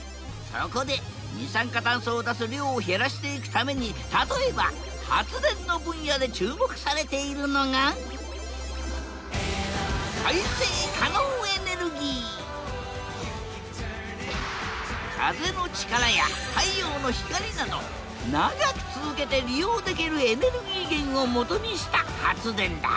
そこで二酸化酸素を出す量を減らしていくために例えば発電の分野で注目されているのが風の力や太陽の光など長く続けて利用できるエネルギー源をもとにした発電だ。